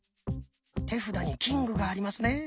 手札に「キング」がありますね。